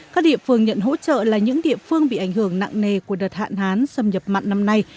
các địa phương nhận hỗ trợ là những địa phương bị ảnh hưởng nặng nề của đợt hạn hán xâm nhập mặn năm nay